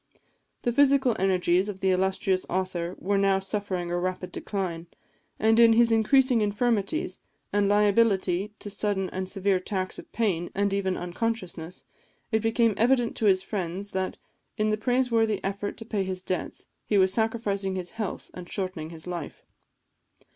The physical energies of the illustrious author were now suffering a rapid decline; and in his increasing infirmities, and liability to sudden and severe attacks of pain, and even of unconsciousness, it became evident to his friends, that, in the praiseworthy effort to pay his debts, he was sacrificing his health and shortening his life.